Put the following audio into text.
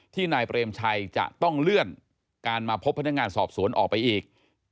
นายเปรมชัยจะต้องเลื่อนการมาพบพนักงานสอบสวนออกไปอีก